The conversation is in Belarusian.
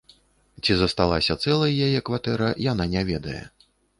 Ці засталася цэлай яе кватэра, яна не ведае.